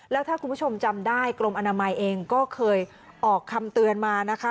แล้วถ้าคุณผู้ชมจำได้กรมอนามัยเองก็เคยออกคำเตือนมานะคะ